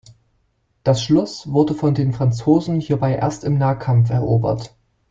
Das Schloss wurde von den Franzosen hierbei erst im Nahkampf erobert.